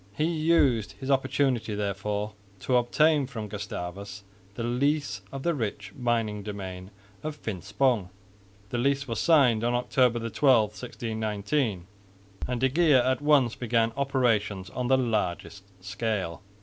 He used his opportunity therefore to obtain from Gustavus the lease of the rich mining domain of Finspong. The lease was signed on October 12, 1619, and de Geer at once began operations on the largest scale.